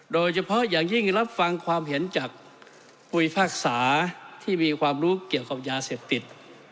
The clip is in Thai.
โดยเฉพาะอย่างยิ่งรับฟังความเห็นจากผู้พิพากษาที่มีความรู้เกี่ยวกับยาเสพติด